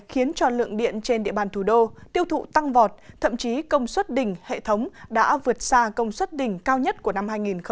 khiến cho lượng điện trên địa bàn thủ đô tiêu thụ tăng vọt thậm chí công suất đỉnh hệ thống đã vượt xa công suất đỉnh cao nhất của năm hai nghìn một mươi chín